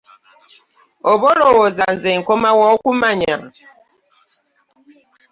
Oba olowooza nze nkoma wa okumanya?